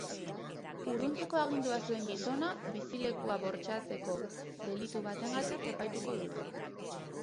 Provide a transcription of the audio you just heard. Urruntzeko agindua zuen gizona bizilekua bortxatzeko delitu bategatik epaituko dute.